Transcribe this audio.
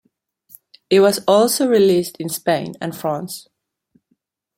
It was also released in Spain and France.